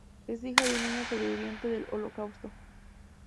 Es hija de un niño sobreviviente del holocausto.